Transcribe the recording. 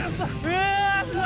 うわ！